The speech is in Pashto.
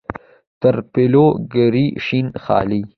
تر پلو ګوري شین خالۍ.